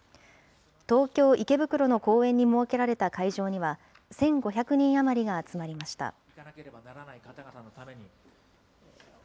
東京・池袋の公園に設けられた会場には、１５００人余りが集まりました。